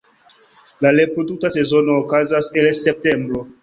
La reprodukta sezono okazas el septembro.